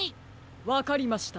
わかりました。